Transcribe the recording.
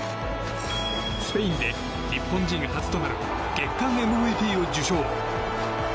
スペインで日本人初となる月間ＭＶＰを受賞。